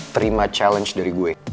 terima challenge dari gue